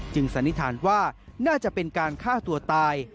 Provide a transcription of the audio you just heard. สันนิษฐานว่าน่าจะเป็นการฆ่าตัวตาย